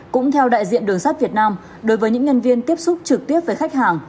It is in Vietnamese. cũng theo đại diện đường sắt việt nam đối với những nhân viên tiếp xúc trực tiếp với khách hàng